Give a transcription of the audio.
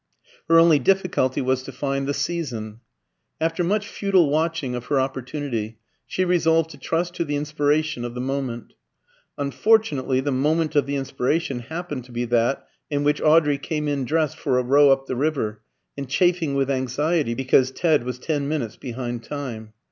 Her only difficulty was to find the season. After much futile watching of her opportunity, she resolved to trust to the inspiration of the moment. Unfortunately, the moment of the inspiration happened to be that in which Audrey came in dressed for a row up the river, and chafing with anxiety because Ted was ten minutes behind time.